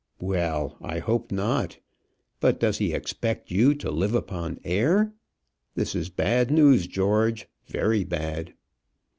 "Well, I hope not. But does he expect you to live upon air? This is bad news, George very bad."